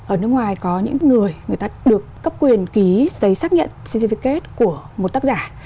ở nước ngoài có những người người ta được cấp quyền ký giấy xác nhận ct card của một tác giả